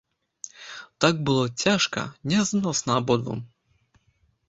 Так было цяжка, нязносна абодвум.